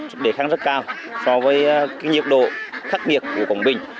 sức đề kháng rất cao so với cái nhiệt độ khắc nghiệt của quảng bình